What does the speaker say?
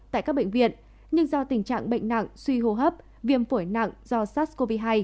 tại các bệnh viện nhưng do tình trạng bệnh nặng suy hô hấp viêm phổi nặng do sars cov hai